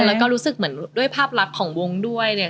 แล้วก็รู้สึกเหมือนด้วยภาพลักษณ์ของวงด้วยเนี่ย